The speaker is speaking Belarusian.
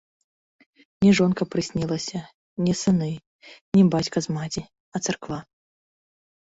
Не жонка прыснілася, не сыны, не бацька з маці, а царква.